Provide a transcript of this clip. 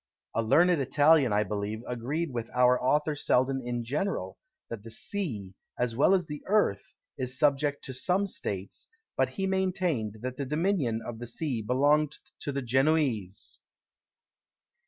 A learned Italian, I believe, agreed with our author Selden in general, that the sea, as well as the earth, is subject to some States; but he maintained, that the dominion of the sea belonged to the Genoese!